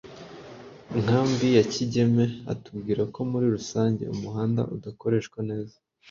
nkambi ya Kigeme atubwira ko muri rusange umuhanda udakoreshwa neza